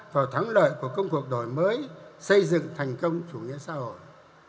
vào thắng lợi của công cuộc đổi mới xây dựng thành công chủ nghĩa xã hội